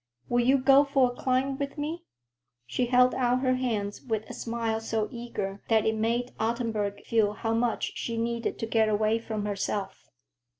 Will you go for a climb with me?" She held out her hands with a smile so eager that it made Ottenburg feel how much she needed to get away from herself.